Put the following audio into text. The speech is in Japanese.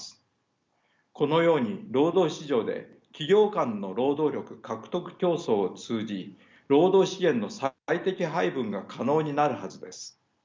このように労働市場で企業間の労働力獲得競争を通じ労働資源の最適配分が可能になるはずです。